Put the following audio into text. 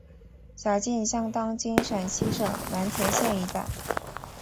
辖境相当今陕西省蓝田县一带。